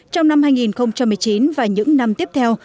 trong năm hai nghìn một mươi chín và những năm tiếp theo